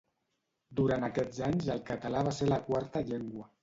Durant aquests anys el català va ser la quarta llengua.